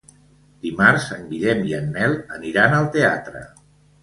Dimarts en Guillem i en Nel aniran al teatre.